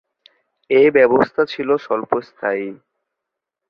এ ব্যবস্থা ছিল স্বল্পস্থায়ী।